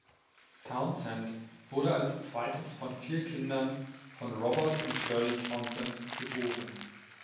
Townsend wurde als zweites von vier Kindern von Robert und Shirley Townsend geboren.